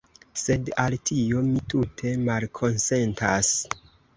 Sed al tio, mi tute malkonsentas.